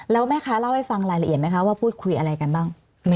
แล้วแม่ค้าเล่าให้ฟังรายละเอียดไหมคะว่าพูดคุยอะไรกันบ้าง